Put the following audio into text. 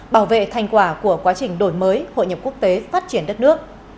bảo vệ thành quả của quá trình đổi mới hội nhập quốc tế phát triển đất nước